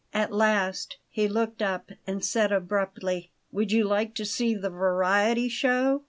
At last he looked up and said abruptly: "Would you like to see the variety show?"